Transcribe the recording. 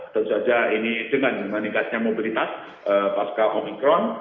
tentu saja ini dengan meningkatnya mobilitas pasca omikron